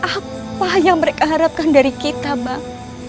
apa yang mereka harapkan dari kita mbak